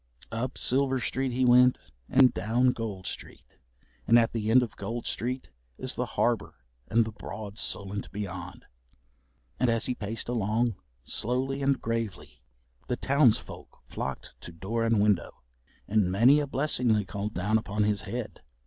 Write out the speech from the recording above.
Up Silver Street he went, and down Gold Street, and at the end of Gold Street is the harbour and the broad Solent beyond. And as he paced along, slowly and gravely, the townsfolk flocked to door and window, and many a blessing they called down upon his head.